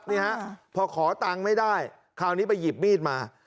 นี่ฮะพอขอตังค์ไม่ได้คราวนี้ไปหยิบมีดมา